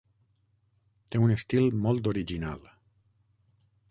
Té un estil molt original.